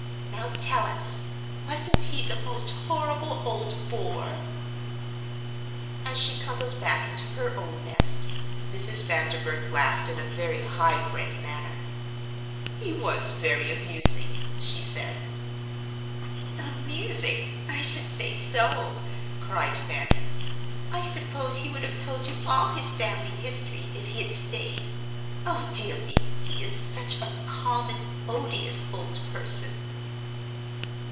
"Now tell us, wasn't he the most horrible old bore?" As she cuddled back into her own nest, Mrs. Vanderburgh laughed in a very high bred manner. "He was very amusing," she said. "Amusing! I should say so!" cried Fanny. "I suppose he would have told you all his family history if he had stayed. O dear me, he is such a common, odious old person."